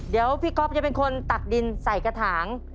เดี๋ยวพี่ก๊อฟจะเป็นคนตักดินใส่กระถาง